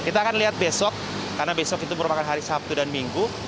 kita akan lihat besok karena besok itu merupakan hari sabtu dan minggu